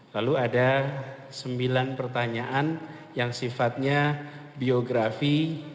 lalu ada sembilan pertanyaan yang sifatnya biografi